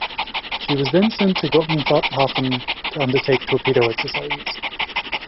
She was then sent to Gotenhafen to undertake torpedo exercises.